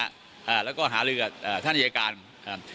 นะฮะอ่าแล้วก็หาเรื่องกับอ่าท่านเนยการอ่า